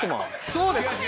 そうです。